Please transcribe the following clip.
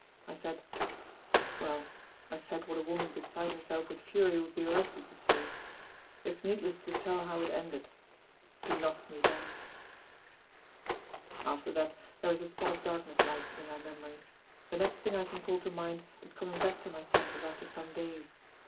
I said well, I said what a woman beside herself with fury would be likely to say. It's needless to tell how it ended. He knocked me down. "After that, there is a spot of darkness like in my memory. The next thing I can call to mind, is coming back to my senses after some days.